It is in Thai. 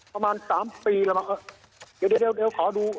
ประมาณ๓ปีแล้วครับ